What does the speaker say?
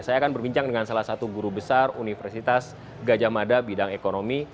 saya akan berbincang dengan salah satu guru besar universitas gajah mada bidang ekonomi